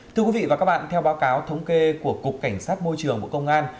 thưa quý vị và các bạn theo báo cáo thống kê của cục cảnh sát môi trường bộ công an